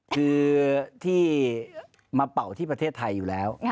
คือที่มาเป่าที่ประเทศไทยอยู่แล้ว